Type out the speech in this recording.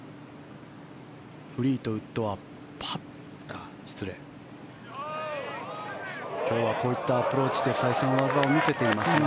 フリートウッドは今日はこういったアプローチで再三、技を見せていますが。